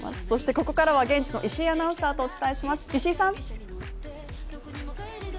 そしてここからは現地の石井アナウンサーとお伝えします。